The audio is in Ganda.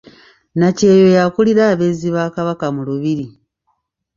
Nakyeyo y’akulira abeezi ba Kabaka mu lubiri.